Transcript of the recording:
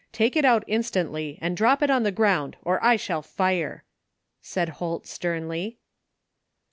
Take it out instantly and drop it on the ground or I shall fire," said Holt sternly.